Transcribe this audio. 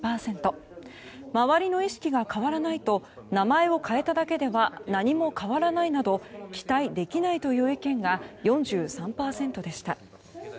周りの意識が変わらないと名前を変えただけでは何も変わらないなど期待できないという意見が４３％でした。